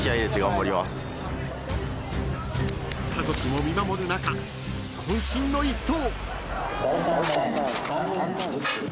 ［家族も見守る中渾身の一投］